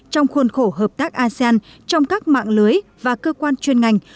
trong khuôn khổ hợp tác asean trong các mạng lưới và cơ quan chuyên ngành